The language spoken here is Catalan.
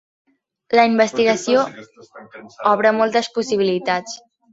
La investigació obre moltes possibilitats.